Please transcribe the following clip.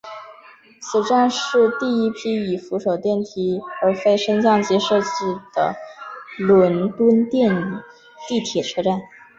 此站是第一批以扶手电梯而非升降机设计的伦敦地铁车站。